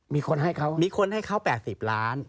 มีคนให้เขา๘๐ล้าน